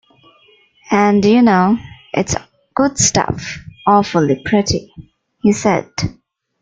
“And, you know, it’s good stuff.” “Awfully pretty,” he said.